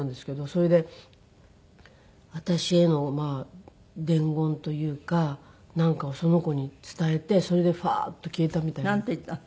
それで私へのまあ伝言というかなんかをその子に伝えてそれでふわーっと消えたみたい。なんて言ったの？